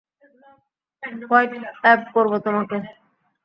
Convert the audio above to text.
WhatsApp করব তোমাকে।